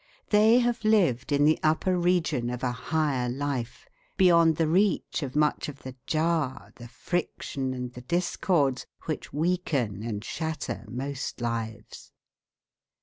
They have lived in the upper region of a higher life, beyond the reach of much of the jar, the friction, and the discords which weaken and shatter most lives.